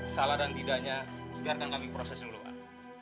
salah dan tidaknya biarkan kami proses dulu pak